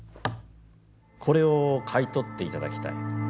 これを買い取っていただきたい。